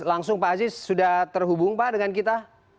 langsung pak aziz sudah terhubung pak dengan kita